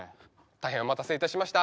大変お待たせいたしました。